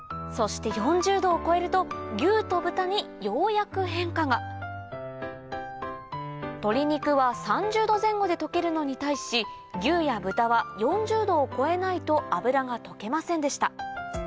そして４０℃を超えると牛と豚にようやく変化が鶏肉は３０℃前後で溶けるのに対し牛や豚は４０℃を超えないと脂が溶けませんでした